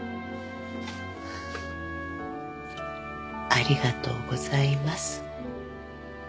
ありがとうございます。